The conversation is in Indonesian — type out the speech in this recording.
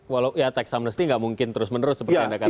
walau ya tax amnesty nggak mungkin terus menerus seperti anda katakan